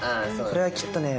これはきっとね。